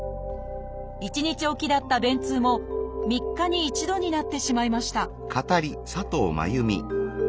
１日置きだった便通も３日に一度になってしまいました